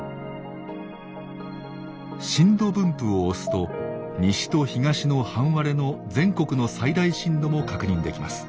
「震度分布」を押すと西と東の半割れの全国の最大震度も確認できます。